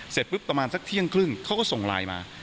เสร็จปุ๊บประมาณสักเที่ยงครึ่งเขาก็ส่งไลน์มา